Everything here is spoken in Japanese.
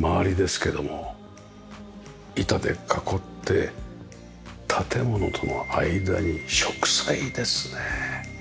周りですけども板で囲って建物との間に植栽ですね。